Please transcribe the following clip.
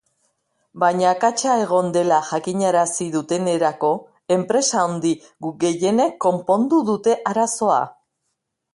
Baina akatsa egon dela jakinarazi dutenerako, enpresa handi gehienek konpondu dute arazoa.